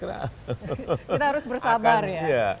kita harus bersabar ya